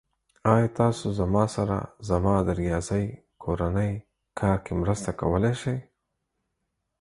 ایا تاسو زما سره زما د ریاضی کورنی کار کې مرسته کولی شئ؟